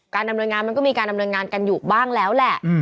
ดำเนินงานมันก็มีการดำเนินงานกันอยู่บ้างแล้วแหละ